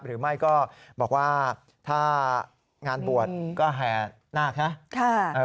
หรือไม่ก็บอกว่าถ้างานบวชก็แห่นาคนะ